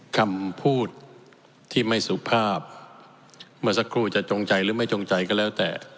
คำพูดที่ไม่สุภาพเมื่อสักครู่จะจงใจหรือไม่จงใจก็แล้วแต่